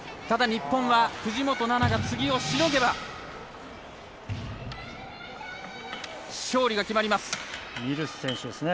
ただ、日本は藤本那菜が次をしのげば勝利が決まります。